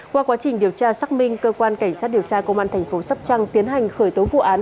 qua quá trình điều tra xác minh cơ quan cảnh sát điều tra công an thành phố sóc trăng tiến hành khởi tố vụ án